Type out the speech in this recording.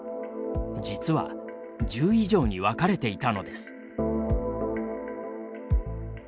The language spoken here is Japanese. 実は、１０以上に分かれていたのです。